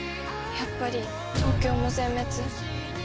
やっぱり東京も全滅。